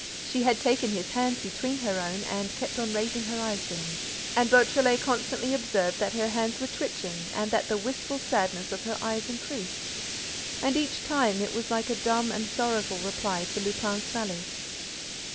She had taken his hands between her own and kept on raising her eyes to him; and Beautrelet constantly observed that her hands were twitching and that the wistful sadness of her eyes increased. And, each time, it was like a dumb and sorrowful reply to Lupin's sallies.